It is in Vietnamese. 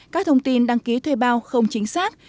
các thông tin đăng ký thuê bao không chính xác